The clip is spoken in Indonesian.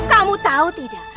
kamu tahu tidak